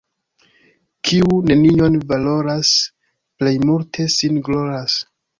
Kiu nenion valoras, plej multe sin gloras.